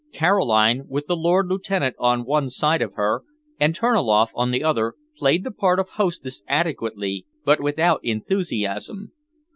Caroline, with the Lord Lieutenant on one side of her and Terniloff on the other played the part of hostess adequately but without enthusiasm.